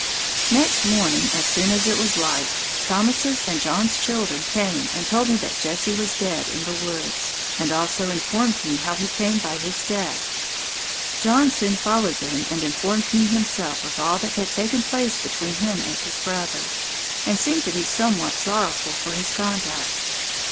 Next morning as soon as it was light, Thomas' and John's children came and told me that Jesse was dead in the woods, and also informed me how he came by his death. John soon followed them and informed me himself of all that had taken place between him and his brother, and seemed to be somewhat sorrowful for his conduct.